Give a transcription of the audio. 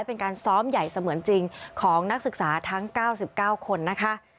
เป็นการซ้อมใหญ่เสมือนจริงของนักศึกษาทั้ง๙๙คนนะคะ